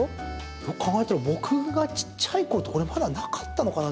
よく考えたら僕がちっちゃい頃ってこれ、まだなかったのかな？